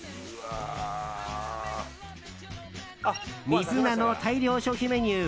水菜の大量消費メニュー